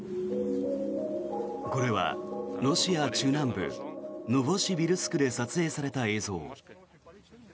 これはロシア中南部ノボシビルスクで撮影された映像。